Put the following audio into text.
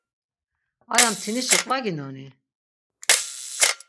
Aya mtinişi qvaginoni?